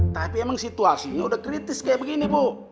tapi emang situasinya udah kritis kayak begini bu